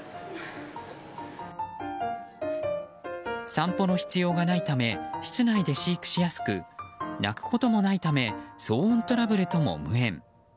散歩の必要がないため室内で飼育しやすく鳴くこともないため騒音トラブルとも無縁。